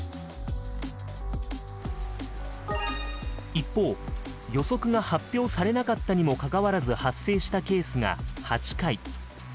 一方予測が発表されなかったにもかかわらず発生したケースが８回。